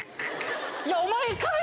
「いやお前かよ！